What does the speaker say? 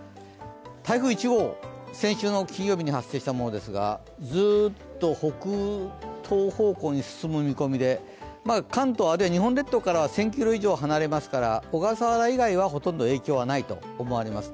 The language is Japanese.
台風１号、先週の金曜日に発生したものですが、ずっと北東方向に進む見込みで関東、あるいは日本列島からは１０００ｋｍ以上離れますから小笠原以外はほとんど影響はないと思われます。